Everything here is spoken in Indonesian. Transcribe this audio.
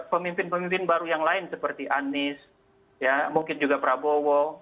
pemimpin pemimpin baru yang lain seperti anies mungkin juga prabowo